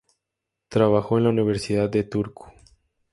Trabajó en la Universidad de Turku.